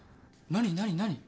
何何何？